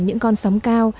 những con sóng cao